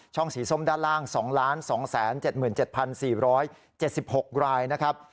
สีส้มด้านล่าง๒๒๗๗๔๗๖รายนะครับ